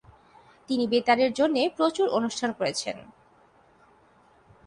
তিনি বেতারের জন্যে প্রচুর অনুষ্ঠান করেছেন।